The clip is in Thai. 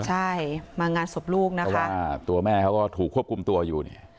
เพราะว่าตัวแม่เขาก็ถูกควบคุมตัวอยู่